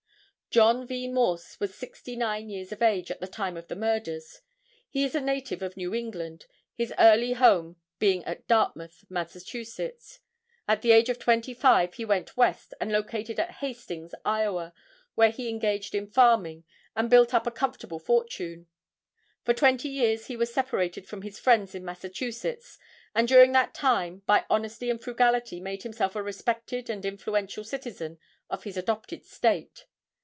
John V. Morse was sixty nine years of age at the time of the murders. He is a native of New England, his early home being at Dartmouth, Mass. At the age of twenty five he went west and located at Hastings, Iowa, where he engaged in farming, and built up a comfortable fortune. For twenty years he was separated from his friends in Massachusetts and during that time, by honesty and frugality made himself a respected and influential citizen of his adopted state.